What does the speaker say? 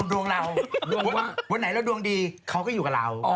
วันแดดดวงดีเขาอยู่กับเราก็อยู่กับเรา